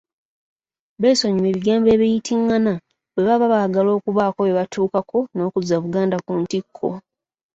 Beesonyiwe ebigambo ebiyitingana bwe baba baagala okubaako bye batuukako n’okuzza Buganda ku ntikko.